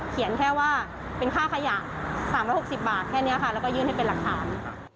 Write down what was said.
เขียนแค่ว่าเป็นค่าขยะ๓๖๐บาทแค่นี้ค่ะแล้วก็ยื่นให้เป็นหลักฐาน